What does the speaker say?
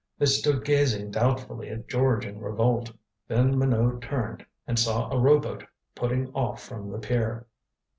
They stood gazing doubtfully at George in revolt. Then Minot turned, and saw a rowboat putting off from the pier.